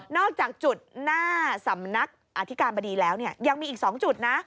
จากจุดหน้าสำนักอธิการบดีแล้วเนี่ยยังมีอีก๒จุดนะ